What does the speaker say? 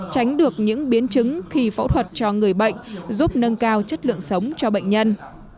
tránh được những biến chứng khi phẫu thuật cho người bệnh giúp nâng cao chất lượng sống cho bệnh nhân